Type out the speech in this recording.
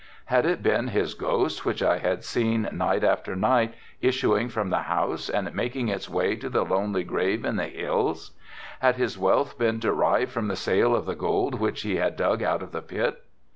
Had it been his ghost which I had seen night after night issuing from the house and making its way to the lonely grave in the hills? Had his wealth been derived from the sale of the gold which he had dug out of the pit?